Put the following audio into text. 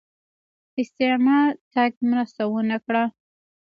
استعمار تګ مرسته ونه کړه